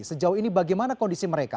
sejauh ini bagaimana kondisi mereka